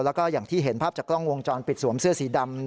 แล้วก็อย่างที่เห็นภาพจากกล้องวงจรปิดสวมเสื้อสีดำ